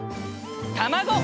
たまご！